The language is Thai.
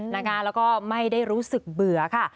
แล้วก็ไม่ได้รู้สึกเบื่อค่ะ